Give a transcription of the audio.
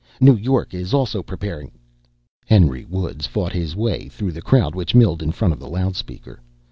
New York is also preparing...." Henry Woods fought his way through the crowd which milled in front of the loudspeaker.